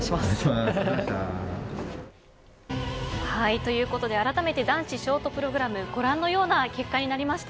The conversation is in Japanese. ということで、あらためて男子ショートプログラムご覧のような結果になりました。